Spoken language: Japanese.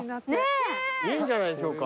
いいんじゃないでしょうか。